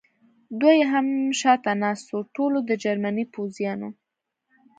دوه یې هم شاته ناست و، ټولو د جرمني پوځیانو.